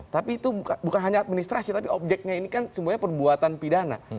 tapi itu bukan hanya administrasi tapi objeknya ini kan semuanya perbuatan pidana